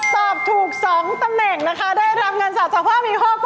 ตอบถูก๒ตำแหน่งนะคะได้รับเงินศาสตร์ศักดิ์ภาพมี๖๐๐๐บาท